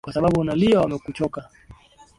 Kwa sababu unalia wamekuchoka